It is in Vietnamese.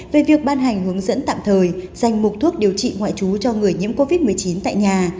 về việc ban hành hướng dẫn tạm thời danh mục thuốc điều trị ngoại trú cho người nhiễm covid một mươi chín tại nhà